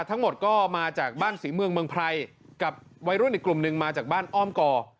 ทั้งหมดก็มาจากบ้านศรีเมืองเมืองไพรกับวัยรุ่นอีกกลุ่มหนึ่งมาจากบ้านอ้อมก่อ